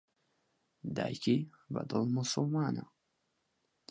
دایکی بەدڵ موسوڵمانە.